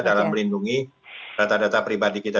dalam melindungi data data pribadi kita